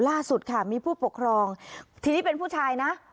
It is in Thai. ล่าสุดค่ะมีผู้ปกครองทีนี้เป็นผู้ชายนะ